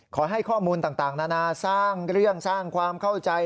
ขอให้ข้อมูลต่างนานาสร้างเรื่องสร้างความเข้าใจ